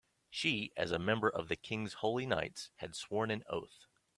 She, as a member of the king's holy knights, had sworn an oath.